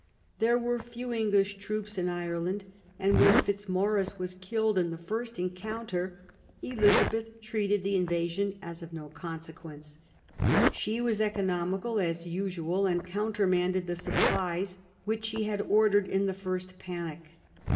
There were few English troops in Ireland ; and when Fitzmorris was killed in the first encounter Elizabeth treated the invasion as of no consequence. She was economical, as usual, and countermanded the supplies which she had ordered in the first panic.